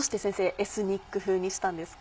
エスニック風にしたんですか？